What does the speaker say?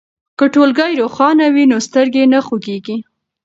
که ټولګی روښانه وي نو سترګې نه خوږیږي.